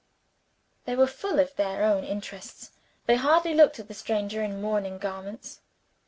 They were full of their own interests; they hardly looked at the stranger in mourning garments.